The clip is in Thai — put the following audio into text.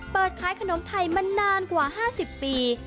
เปิดขายขนมไทยมานานกว่า๕๐ปี